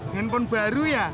handphone baru ya